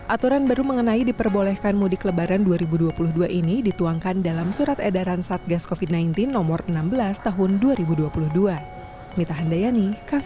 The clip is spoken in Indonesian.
aturan baru mengenai diperbolehkan mudik lebaran dua ribu dua puluh dua ini dituangkan dalam surat edaran satgas covid sembilan belas nomor enam belas tahun dua ribu dua puluh dua